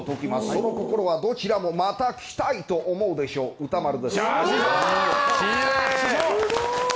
その心はどちらもまたきたいと思うでしょう、歌丸です。